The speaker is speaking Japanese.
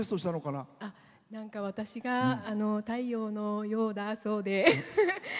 なんか私が太陽のようだそうで。